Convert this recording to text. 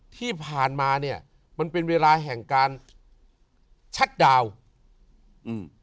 ที่ผ่านมาเนี้ยมันเป็นเวลาแห่งการชัดดาวน์อืม